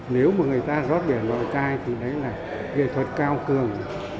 nếu mà người ta rót biển lòi chai thì đấy là nghệ thuật cao cường